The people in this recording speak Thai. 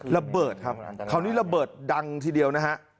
ระเบิดครับคราวนี้ระเบิดดังทีเดียวนะฮะ